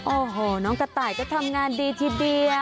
โอ้โหน้องกระต่ายก็ทำงานดีทีเดียว